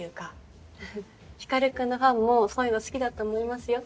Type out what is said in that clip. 光君のファンもそういうの好きだと思いますよ。